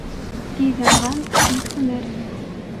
Тиҙ янған тиҙ һүнер.